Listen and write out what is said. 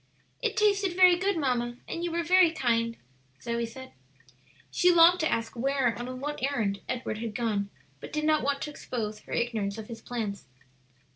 "It tasted very good, mamma, and you were very kind," Zoe said. She longed to ask where and on what errand Edward had gone, but did not want to expose her ignorance of his plans.